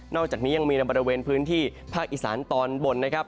อกจากนี้ยังมีในบริเวณพื้นที่ภาคอีสานตอนบนนะครับ